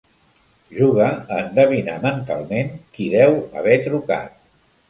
Juga a endevinar mentalment qui deu haver trucat.